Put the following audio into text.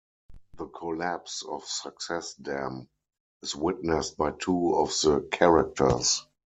The collapse of Success Dam is witnessed by two of the characters.